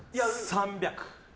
３００